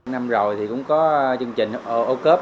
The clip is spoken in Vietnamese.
năm rồi thì cũng có chương trình ô cớp